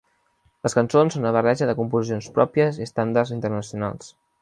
Les cançons són una barreja de composicions pròpies i estàndards internacionals.